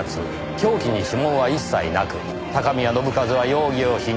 凶器に指紋は一切なく高宮信一は容疑を否認。